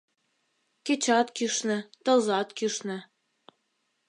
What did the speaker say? Кечат кӱшнӧ, тылзат кӱшнӧ